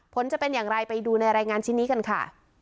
ผลจะเป็นอย่างไรไปดูในรายงานชิ้นนี้กันค่ะ